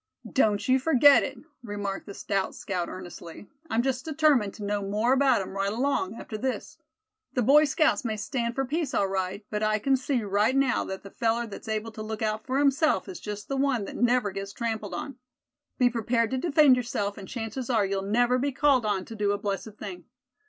"Don't you forget it," remarked the stout scout earnestly; "I'm just determined to know more about 'em right along, after this. The Boy Scouts may stand for peace, all right; but I c'n see right now that the feller that's able to look out for himself is just the one that never gets trampled on. Be prepared to defend yourself, and chances are you'll never be called on to do a blessed thing.